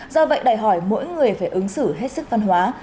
do vậy đòi hỏi mỗi người phải ứng xử hết sức văn hóa